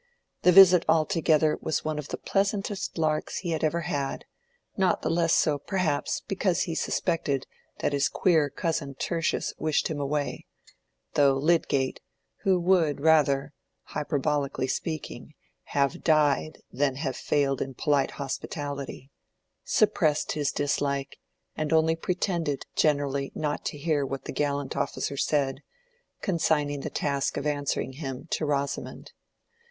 The visit altogether was one of the pleasantest larks he had ever had, not the less so perhaps because he suspected that his queer cousin Tertius wished him away: though Lydgate, who would rather (hyperbolically speaking) have died than have failed in polite hospitality, suppressed his dislike, and only pretended generally not to hear what the gallant officer said, consigning the task of answering him to Rosamond.